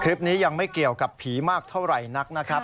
คลิปนี้ยังไม่เกี่ยวกับผีมากเท่าไหร่นักนะครับ